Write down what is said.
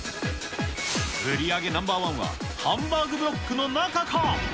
売り上げナンバー１はハンバーグブロックの中か。